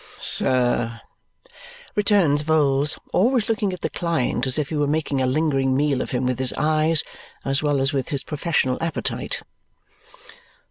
"Sir," returns Vholes, always looking at the client as if he were making a lingering meal of him with his eyes as well as with his professional appetite.